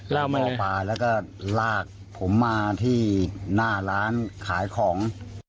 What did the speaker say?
หมอปลาแล้วก็ลากผมมาที่หน้าร้านขายของ